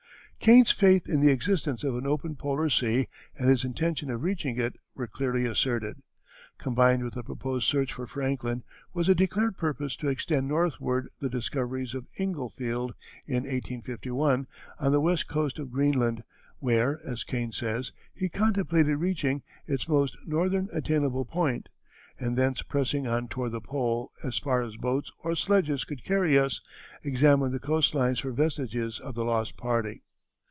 Kane's faith in the existence of an open polar sea and his intention of reaching it were clearly asserted. Combined with the proposed search for Franklin was a declared purpose to extend northward the discoveries of Inglefield, in 1851, on the west coast of Greenland, where, as Kane says, he contemplated reaching "its most northern attainable point, and thence pressing on toward the Pole as far as boats or sledges could carry us, examine the coast lines for vestiges of the lost party."